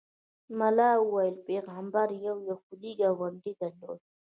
ملا ویل پیغمبر یو یهودي ګاونډی درلود.